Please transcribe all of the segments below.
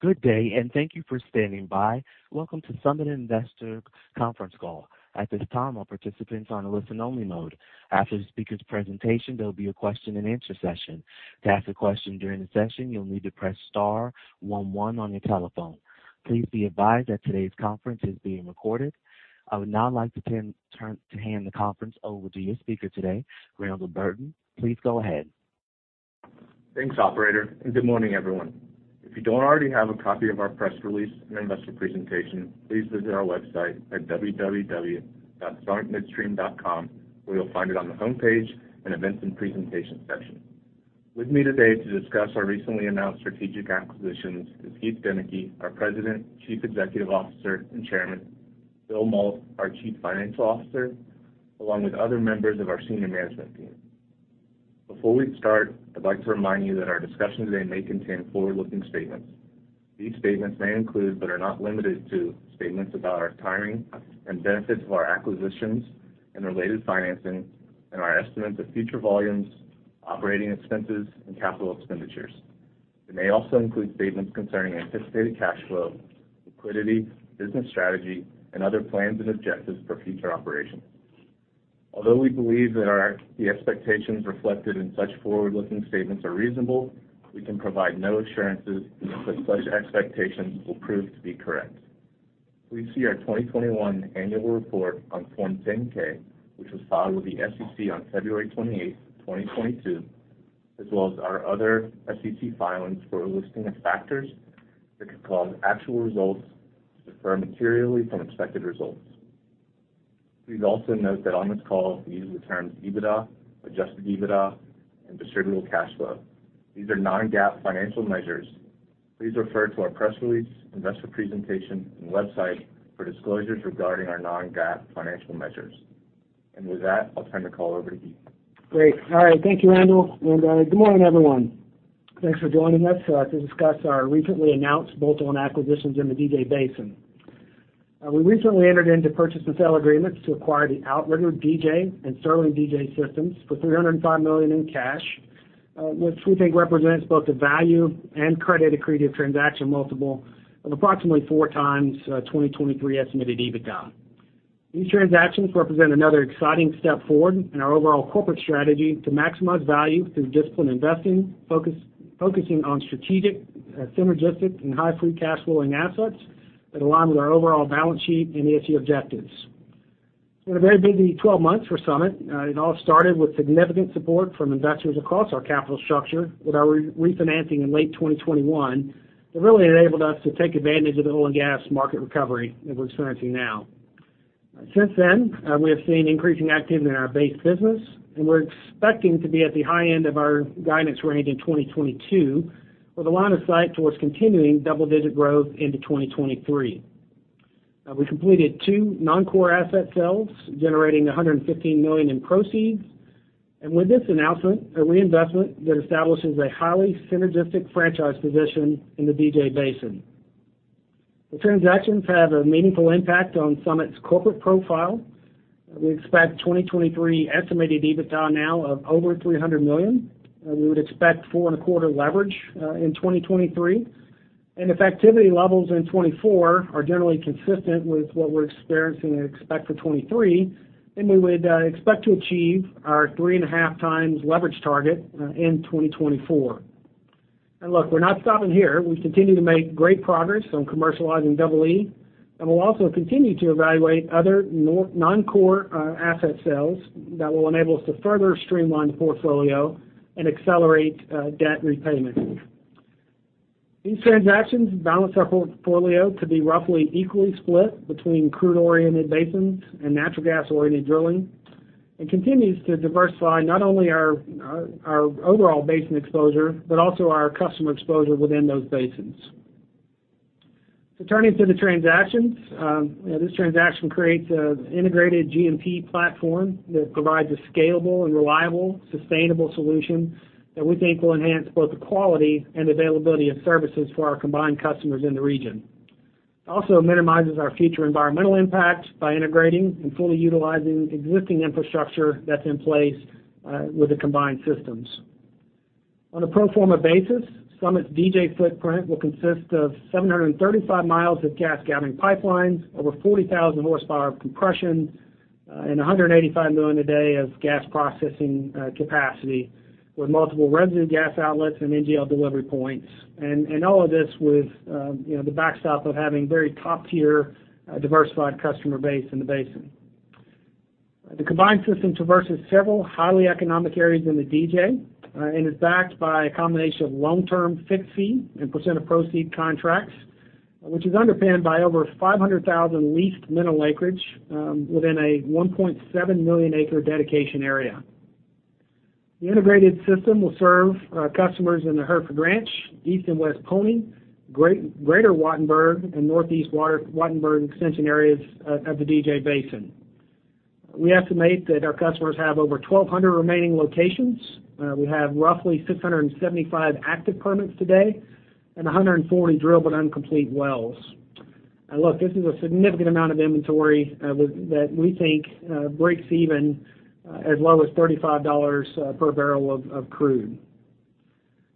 Good day, and thank you for standing by. Welcome to Summit Investor Conference Call. At this time, all participants are on a listen-only mode. After the speaker's presentation, there'll be a question-and-answer session. To ask a question during the session, you'll need to press star one one on your telephone. Please be advised that today's conference is being recorded. I would now like to hand the conference over to your speaker today, Randall Burton. Please go ahead. Thanks, operator, and good morning, everyone. If you don't already have a copy of our press release and investor presentation, please visit our website at www.summitmidstream.com, where you'll find it on the homepage in Events and Presentation section. With me today to discuss our recently announced strategic acquisitions is Heath Deneke, our President, Chief Executive Officer, and Chairman, Bill Mault, our Chief Financial Officer, along with other members of our senior management team. Before we start, I'd like to remind you that our discussion today may contain forward-looking statements. These statements may include, but are not limited to, statements about our timing and benefits of our acquisitions and related financing and our estimates of future volumes, operating expenses, and capital expenditures. It may also include statements concerning anticipated cash flow, liquidity, business strategy, and other plans and objectives for future operations. Although we believe that the expectations reflected in such forward-looking statements are reasonable, we can provide no assurances that such expectations will prove to be correct. Please see our 2021 annual report on Form 10-K, which was filed with the SEC on February 28, 2022, as well as our other SEC filings for a listing of factors that could cause actual results to differ materially from expected results. Please also note that on this call, we use the terms EBITDA, Adjusted EBITDA, and Distributable Cash Flow. These are non-GAAP financial measures. Please refer to our press release, investor presentation, and website for disclosures regarding our non-GAAP financial measures. With that, I'll turn the call over to Heath. Great. All right. Thank you, Randall. Good morning, everyone. Thanks for joining us to discuss our recently announced bolt-on acquisitions in the DJ Basin. We recently entered into purchase and sale agreements to acquire the Outrigger DJ and Sterling DJ systems for $305 million in cash, which we think represents both the value and credit-accretive transaction multiple of approximately 4x 2023 estimated EBITDA. These transactions represent another exciting step forward in our overall corporate strategy to maximize value through disciplined investing, focusing on strategic, synergistic, and high free cash flowing assets that align with our overall balance sheet and ESG objectives. It's been a very busy 12 months for Summit. It all started with significant support from investors across our capital structure with our re-refinancing in late 2021. It really enabled us to take advantage of the oil and gas market recovery that we're experiencing now. Since then, we have seen increasing activity in our base business, and we're expecting to be at the high end of our guidance range in 2022 with a line of sight towards continuing double-digit growth into 2023. We completed two non-core asset sales, generating $115 million in proceeds. With this announcement, a reinvestment that establishes a highly synergistic franchise position in the DJ Basin. The transactions have a meaningful impact on Summit's corporate profile. We expect 2023 estimated EBITDA now of over $300 million. We would expect 4.25 leverage in 2023. If activity levels in 2024 are generally consistent with what we're experiencing and expect for 2023, then we would expect to achieve our 3.5x leverage target in 2024. Look, we're not stopping here. We continue to make great progress on commercializing Double E, and we'll also continue to evaluate other non-core asset sales that will enable us to further streamline the portfolio and accelerate debt repayment. These transactions balance our portfolio to be roughly equally split between crude-oriented basins and natural gas-oriented drilling and continues to diversify not only our overall basin exposure, but also our customer exposure within those basins. Turning to the transactions, this transaction creates an integrated G&P platform that provides a scalable and reliable, sustainable solution that we think will enhance both the quality and availability of services for our combined customers in the region. It also minimizes our future environmental impact by integrating and fully utilizing existing infrastructure that's in place with the combined systems. On a pro forma basis, Summit's DJ footprint will consist of 735 miles of gas gathering pipelines, over 40,000 horsepower of compression, and 185 million a day of gas processing capacity, with multiple resident gas outlets and NGL delivery points. All of this with, you know, the backstop of having very top-tier diversified customer base in the basin. The combined system traverses several highly economic areas in the DJ, and is backed by a combination of long-term fixed fee and percent of proceeds contracts, which is underpinned by over 500,000 leased mineral acreage within a 1.7 million acre dedication area. The integrated system will serve customers in the Hereford Ranch, East and West Pony, Greater Wattenberg, and Northeast Wattenberg extension areas of the DJ Basin. We estimate that our customers have over 1,200 remaining locations. We have roughly 675 active permits today and 140 drilled but uncompleted wells. Look, this is a significant amount of inventory with that we think breaks even as low as $35 per barrel of crude.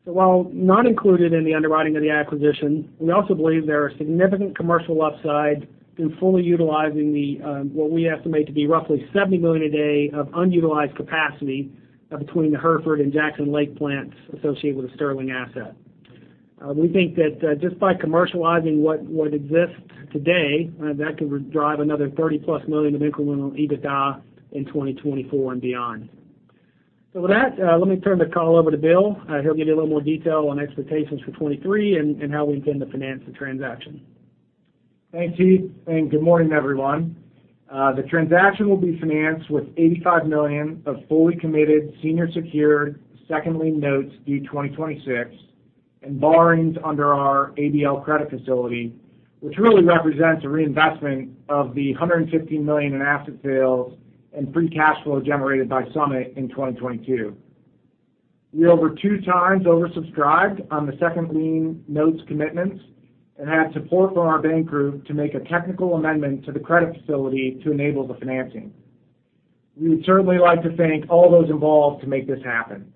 While not included in the underwriting of the acquisition, we also believe there are significant commercial upside in fully utilizing the what we estimate to be roughly 70 million a day of unutilized capacity between the Hereford and Jackson Lake plants associated with the Sterling asset. We think that just by commercializing what exists today, that could drive another $30+ million of incremental EBITDA in 2024 and beyond. With that, let me turn the call over to Bill. He'll give you a little more detail on expectations for 2023 and how we intend to finance the transaction. Thanks, Heath, and good morning, everyone. The transaction will be financed with $85 million of fully committed senior secured second lien notes due 2026 and borrowings under our ABL credit facility, which really represents a reinvestment of the $115 million in asset sales and free cash flow generated by Summit in 2022. We over two times oversubscribed on the second lien notes commitments and had support from our bank group to make a technical amendment to the credit facility to enable the financing. We would certainly like to thank all those involved to make this happen.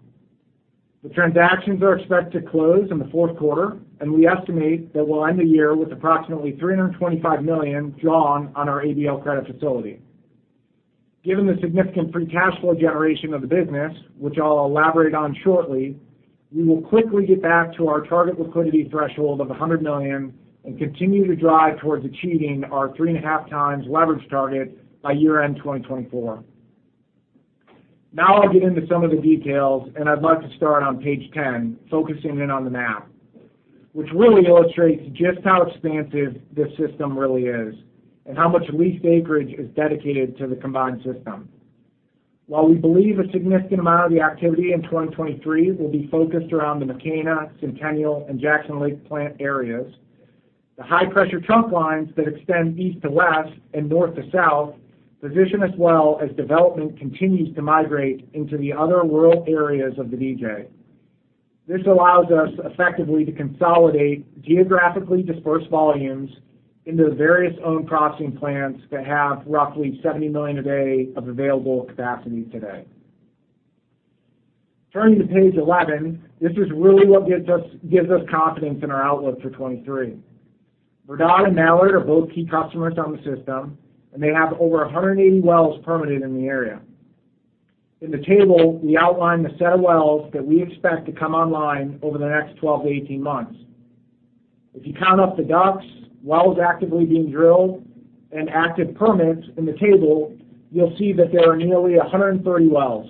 The transactions are expected to close in the fourth quarter, and we estimate that we'll end the year with approximately $325 million drawn on our ABL credit facility. Given the significant free cash flow generation of the business, which I'll elaborate on shortly, we will quickly get back to our target liquidity threshold of $100 million and continue to drive towards achieving our 3.5x leverage target by year-end 2024. Now I'll get into some of the details, and I'd like to start on page 10, focusing in on the map, which really illustrates just how expansive this system really is and how much leased acreage is dedicated to the combined system. While we believe a significant amount of the activity in 2023 will be focused around the McKenna, Centennial, and Jackson Lake plant areas, the high-pressure trunk lines that extend east to west and north to south position us well as development continues to migrate into the other rural areas of the DJ. This allows us effectively to consolidate geographically dispersed volumes into various owned processing plants that have roughly $70 million a day of available capacity today. Turning to page 11, this is really what gives us confidence in our outlook for 2023. Verdad and Mallard are both key customers on the system, and they have over 180 wells permitted in the area. In the table, we outline the set of wells that we expect to come online over the next 12-18 months. If you count up the DUCs, wells actively being drilled, and active permits in the table, you'll see that there are nearly 130 wells.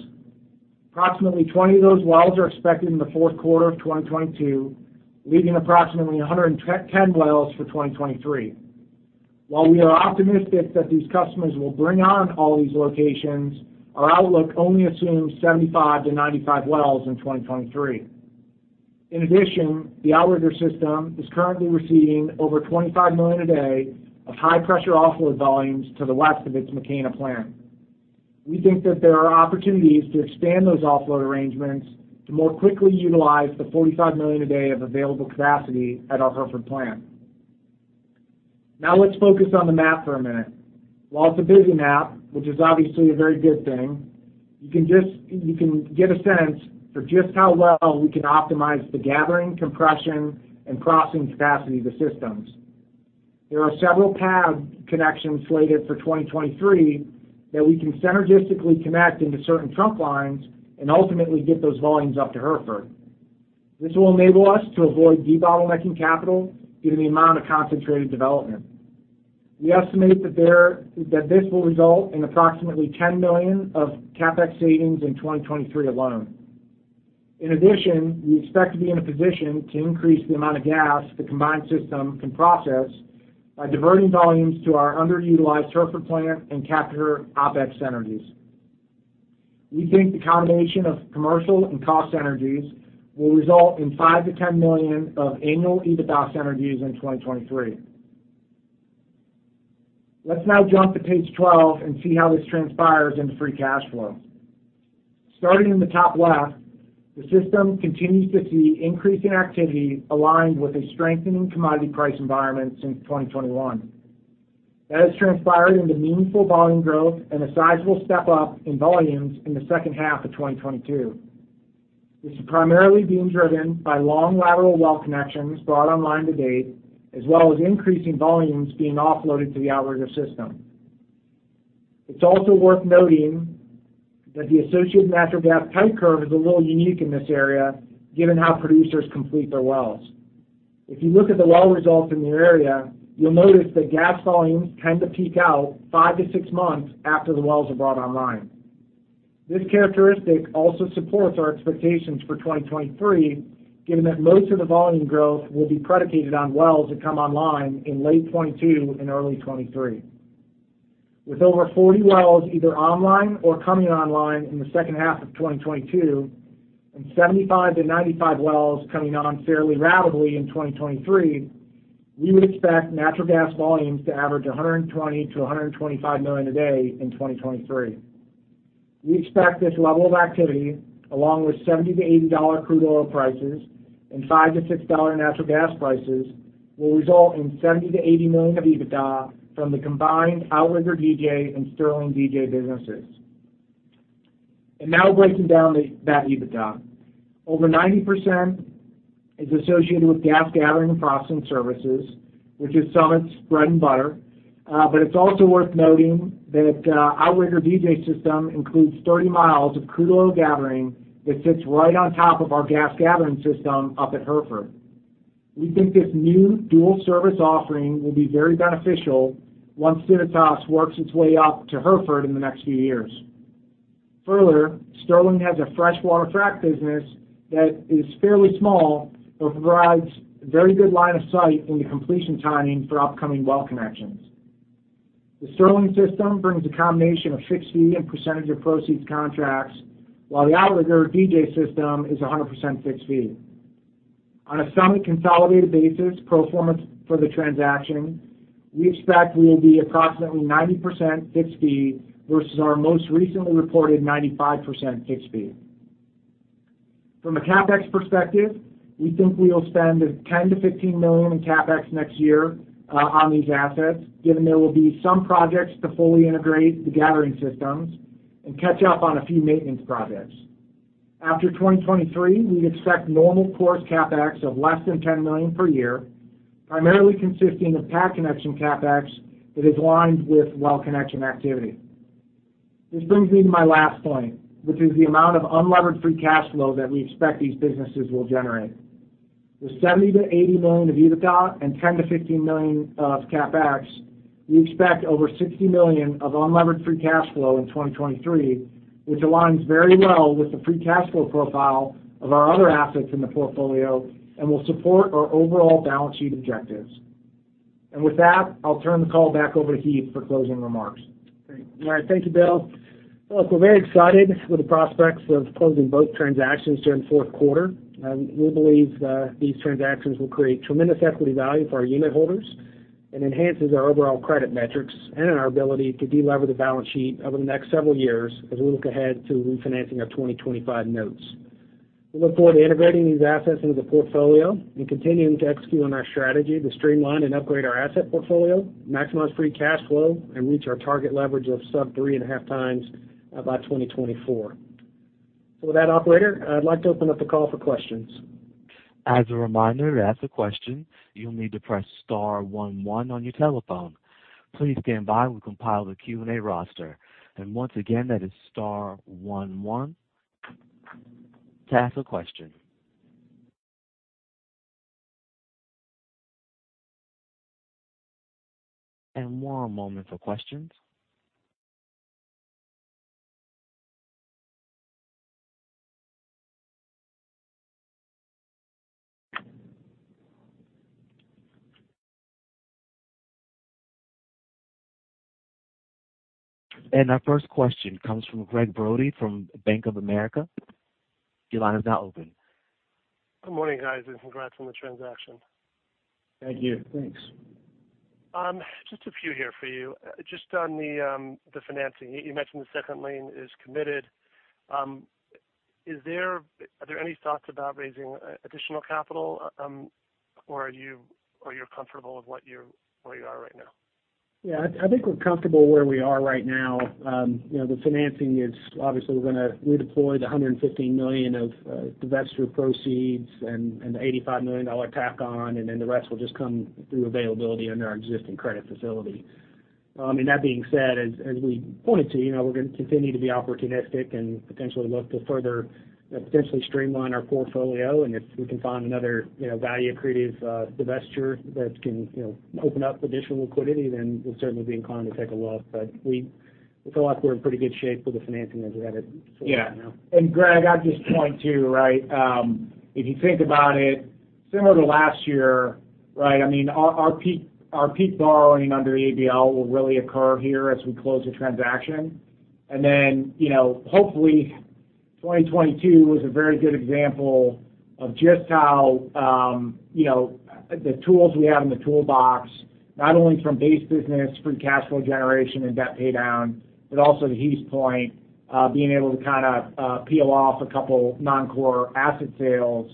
Approximately 20 of those wells are expected in the fourth quarter of 2022, leaving approximately 110 wells for 2023. While we are optimistic that these customers will bring on all these locations, our outlook only assumes 75-95 wells in 2023. In addition, the Outrigger system is currently receiving over 25 million a day of high-pressure offload volumes to the west of its McKenna plant. We think that there are opportunities to expand those offload arrangements to more quickly utilize the 45 million a day of available capacity at our Hereford plant. Now let's focus on the map for a minute. While it's a busy map, which is obviously a very good thing, you can get a sense for just how well we can optimize the gathering, compression, and processing capacity of the systems. There are several pad connections slated for 2023 that we can synergistically connect into certain trunk lines and ultimately get those volumes up to Hereford. This will enable us to avoid debottlenecking capital given the amount of concentrated development. We estimate that this will result in approximately $10 million of CapEx savings in 2023 alone. In addition, we expect to be in a position to increase the amount of gas the combined system can process by diverting volumes to our underutilized Hereford plant and capture OpEx synergies. We think the combination of commercial and cost synergies will result in $5 -10 million of annual EBITDA synergies in 2023. Let's now jump to page 12 and see how this transpires into free cash flow. Starting in the top left, the system continues to see increasing activity aligned with a strengthening commodity price environment since 2021. That has transpired into meaningful volume growth and a sizable step-up in volumes in the second half of 2022. This is primarily being driven by long lateral well connections brought online to date, as well as increasing volumes being offloaded to the Outrigger system. It's also worth noting that the associated natural gas type curve is a little unique in this area, given how producers complete their wells. If you look at the well results in the area, you'll notice that gas volumes tend to peak out five to six months after the wells are brought online. This characteristic also supports our expectations for 2023, given that most of the volume growth will be predicated on wells that come online in late 2022 and early 2023. With over 40 wells either online or coming online in the second half of 2022 and 75-95 wells coming on fairly ratably in 2023, we would expect natural gas volumes to average 120-125 million a day in 2023. We expect this level of activity, along with $70-$80 crude oil prices and $5-$6 natural gas prices, will result in $70-80 million of EBITDA from the combined Outrigger DJ and Sterling DJ businesses. Now, breaking down that EBITDA. Over 90% is associated with gas gathering and processing services, which is Summit's bread and butter. But it's also worth noting that, Outrigger DJ system includes 30 miles of crude oil gathering that sits right on top of our gas gathering system up at Hereford. We think this new dual service offering will be very beneficial once Civitas works its way up to Hereford in the next few years. Further, Sterling has a freshwater frack business that is fairly small, but provides very good line of sight into completion timing for upcoming well connections. The Sterling system brings a combination of fixed fee and percentage of proceeds contracts, while the Outrigger DJ system is a 100% fixed fee. On a Summit consolidated basis pro forma for the transaction, we expect we will be approximately 90% fixed fee versus our most recently reported 95% fixed fee. From a CapEx perspective, we think we'll spend $10-15 million in CapEx next year, on these assets, given there will be some projects to fully integrate the gathering systems and catch up on a few maintenance projects. After 2023, we expect normal course CapEx of less than $10 million per year, primarily consisting of pad connection CapEx that is aligned with well connection activity. This brings me to my last point, which is the amount of unlevered free cash flow that we expect these businesses will generate. With $70-80 million of EBITDA and $10-15 million of CapEx, we expect over $60 million of unlevered free cash flow in 2023, which aligns very well with the free cash flow profile of our other assets in the portfolio and will support our overall balance sheet objectives. With that, I'll turn the call back over to Heath for closing remarks. Great. All right. Thank you, Bill. Look, we're very excited with the prospects of closing both transactions during fourth quarter. We believe that these transactions will create tremendous equity value for our unit holders and enhances our overall credit metrics and in our ability to delever the balance sheet over the next several years as we look ahead to refinancing our 2025 notes. We look forward to integrating these assets into the portfolio and continuing to execute on our strategy to streamline and upgrade our asset portfolio, maximize free cash flow, and reach our target leverage of sub 3.5x by 2024. With that, operator, I'd like to open up the call for questions. As a reminder, to ask a question, you'll need to press star one one on your telephone. Please stand by. We'll compile the Q&A roster. Once again, that is star one one to ask a question. One moment for questions. Our first question comes from Gregg Brody from Bank of America. Your line is now open. Good morning, guys, and congrats on the transaction. Thank you. Thanks. Just a few here for you. Just on the financing. You mentioned the second lien is committed. Are there any thoughts about raising additional capital, or are you comfortable with where you are right now? Yeah. I think we're comfortable where we are right now. You know, the financing is obviously we're gonna redeploy the $115 million of divestiture proceeds and the $85 million tack-on, and then the rest will just come through availability under our existing credit facility. I mean, that being said, as we pointed to, you know, we're gonna continue to be opportunistic and potentially look to further, you know, potentially streamline our portfolio. If we can find another, you know, value accretive divestiture that can, you know, open up additional liquidity, then we'll certainly be inclined to take a look. I feel like we're in pretty good shape with the financing as we have it sort of right now. Yeah. Greg, I'd just point to, right, if you think about it, similar to last year, right? I mean, our peak borrowing under ABL will really occur here as we close the transaction. Then, you know, hopefully 2022 was a very good example of just how, you know, the tools we have in the toolbox, not only from base business, free cash flow generation and debt pay down, but also to Heath's point, being able to kind of peel off a couple non-core asset sales.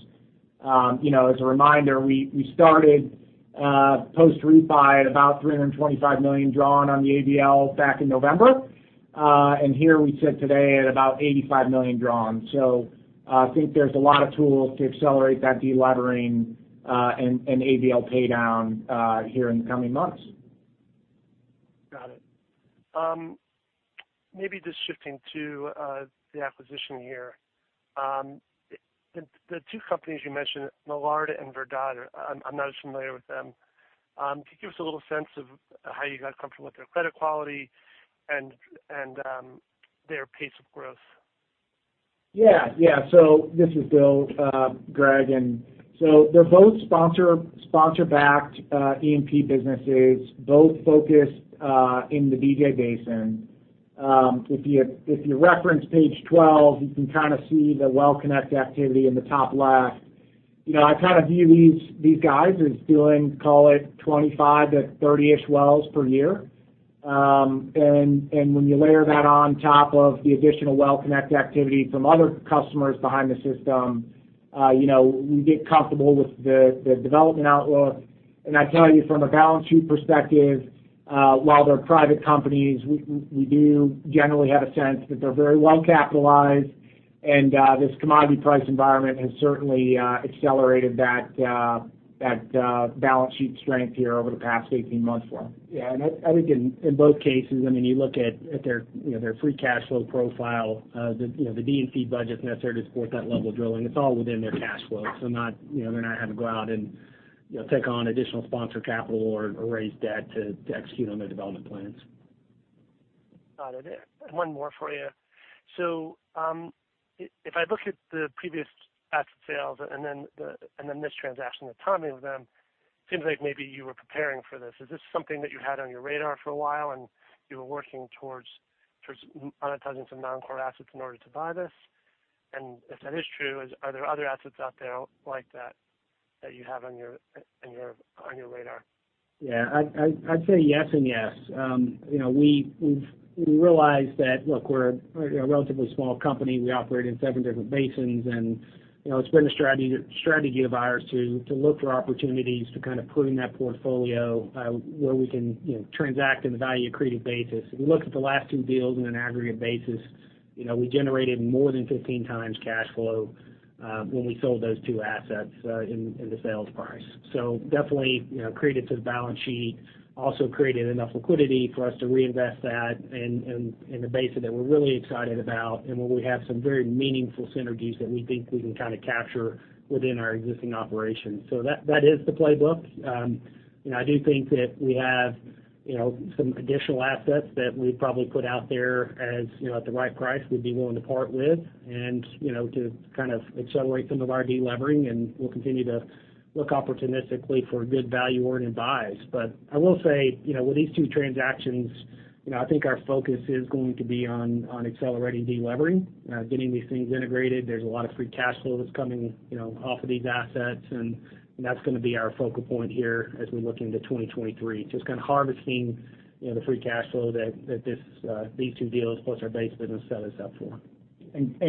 You know, as a reminder, we started post refi at about $325 million drawn on the ABL back in November. Here we sit today at about $85 million drawn. I think there's a lot of tools to accelerate that delevering, and ABL pay down, here in the coming months. Got it. Maybe just shifting to the acquisition here. The two companies you mentioned, Mallard and Verdad, I'm not as familiar with them. Can you give us a little sense of how you got comfortable with their credit quality and their pace of growth? This is Bill Mault, Greg Brody. They're both sponsor-backed E&P businesses, both focused in the DJ Basin. If you reference page 12, you can kind of see the WellConnect activity in the top left. You know, I kind of view these guys as doing, call it 25 to 30-ish wells per year. When you layer that on top of the additional WellConnect activity from other customers behind the system, you know, we get comfortable with the development outlook. I tell you from a balance sheet perspective, while they're private companies, we do generally have a sense that they're very well capitalized. This commodity price environment has certainly accelerated that balance sheet strength here over the past 18 months for them. Yeah. I think in both cases, I mean, you look at their, you know, their free cash flow profile, the, you know, the D&C budget necessary to support that level of drilling, it's all within their cash flow. Not, you know, they're not having to go out and, you know, take on additional sponsor capital or raise debt to execute on their development plans. Got it. One more for you. If I look at the previous asset sales and then this transaction, the timing of them, it seems like maybe you were preparing for this. Is this something that you had on your radar for a while, and you were working towards monetizing some non-core assets in order to buy this? If that is true, are there other assets out there like that you have on your radar? Yeah. I'd say yes and yes. You know, we realize that, look, we're a, you know, relatively small company. We operate in seven different basins. You know, it's been a strategy of ours to look for opportunities to kind of prune that portfolio, where we can, you know, transact in a value-accretive basis. If you look at the last two deals on an aggregate basis, you know, we generated more than 15 times cash flow, when we sold those two assets, in the sales price. Definitely, you know, accretive to the balance sheet, also created enough liquidity for us to reinvest that in a basin that we're really excited about and where we have some very meaningful synergies that we think we can kind of capture within our existing operations. That is the playbook. You know, I do think that we have, you know, some additional assets that we'd probably put out there as, you know, at the right price we'd be willing to part with and, you know, to kind of accelerate some of our de-levering, and we'll continue to look opportunistically for good value-oriented buys. I will say, you know, with these two transactions, you know, I think our focus is going to be on accelerating de-levering, getting these things integrated. There's a lot of free cash flow that's coming, you know, off of these assets, and that's gonna be our focal point here as we look into 2023. Just kind of harvesting, you know, the free cash flow that these two deals, plus our base business, set us up for.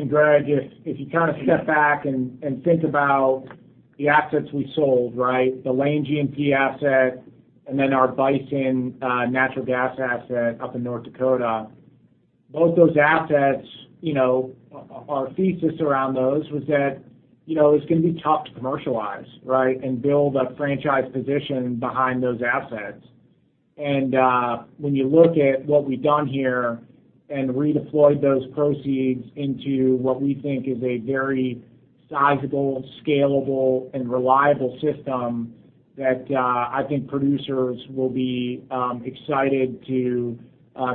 Greg, if you kind of step back and think about the assets we sold, right? The Lane G&P asset, and then our Bison natural gas asset up in North Dakota, both those assets, you know, our thesis around those was that, you know, it's gonna be tough to commercialize, right, and build a franchise position behind those assets. When you look at what we've done here and redeployed those proceeds into what we think is a very sizable, scalable, and reliable system that I think producers will be excited to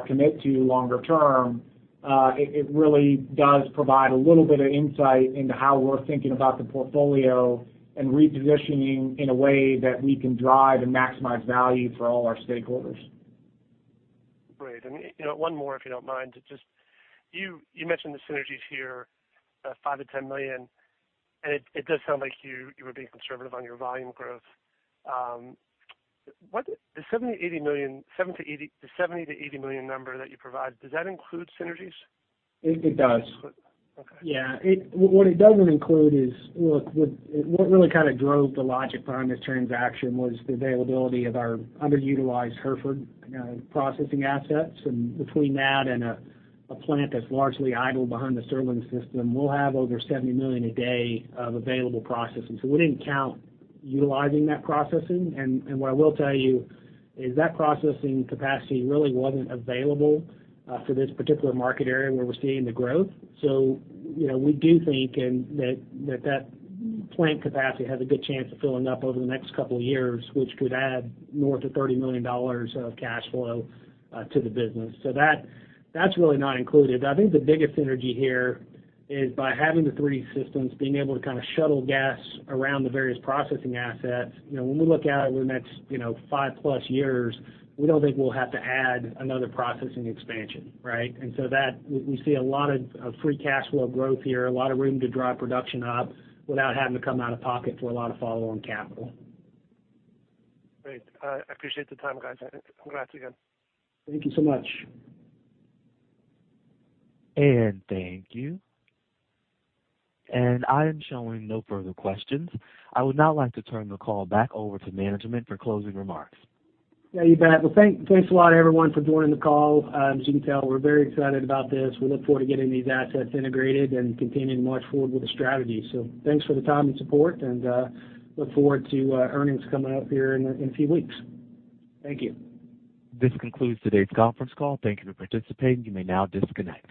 commit to longer term, it really does provide a little bit of insight into how we're thinking about the portfolio and repositioning in a way that we can drive and maximize value for all our stakeholders. Great. You know, one more, if you don't mind. Just you mentioned the synergies here, $5 -10 million, and it does sound like you were being conservative on your volume growth. The $70 -80 million number that you provide, does that include synergies? It does. Okay. What it doesn't include is, look, what really kind of drove the logic behind this transaction was the availability of our underutilized Hereford, you know, processing assets. Between that and a plant that's largely idle behind the Sterling system, we'll have over 70 million a day of available processing. We didn't count utilizing that processing. What I will tell you is that processing capacity really wasn't available for this particular market area where we're seeing the growth. You know, we do think that that plant capacity has a good chance of filling up over the next couple of years, which could add north of $30 million of cash flow to the business. That's really not included. I think the biggest synergy here is by having the three systems, being able to kind of shuttle gas around the various processing assets. You know, when we look out over the next, you know, five plus years, we don't think we'll have to add another processing expansion, right? We see a lot of free cash flow growth here, a lot of room to drive production up without having to come out of pocket for a lot of follow-on capital. Great. I appreciate the time, guys. Congrats again. Thank you so much. Thank you. I am showing no further questions. I would now like to turn the call back over to management for closing remarks. Yeah, you bet. Well, thanks a lot, everyone, for joining the call. As you can tell, we're very excited about this. We look forward to getting these assets integrated and continuing to march forward with the strategy. Thanks for the time and support, and look forward to earnings coming up here in a few weeks. Thank you. This concludes today's conference call. Thank you for participating. You may now disconnect.